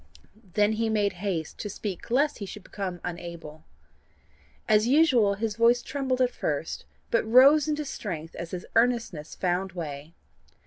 Then he made haste to speak lest he should become unable. As usual his voice trembled at first, but rose into strength as his earnestness found way.